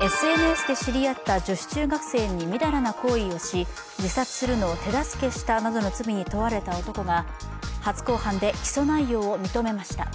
ＳＮＳで知り合った女子中学生に淫らな行為をし自殺するのを手助けしたなどの罪に問われた男が初公判で起訴内容を認めました。